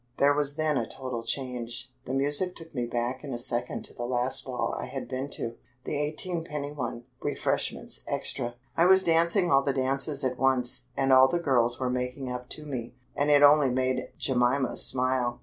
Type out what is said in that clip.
There was then a total change. The music took me back in a second to the last ball I had been to the eighteen penny one, refreshments extra. I was dancing all the dances at once, and all the girls were making up to me, and it only made Jemima smile.